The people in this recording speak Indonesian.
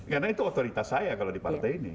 karena itu otoritas saya kalau di partai ini